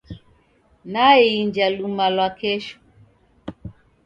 Naiinja luma lwa kesho.